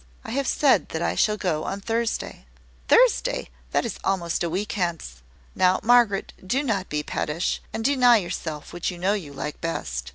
"I have said that I shall go on Thursday." "Thursday! that is almost a week hence. Now, Margaret, do not be pettish, and deny yourself what you know you like best.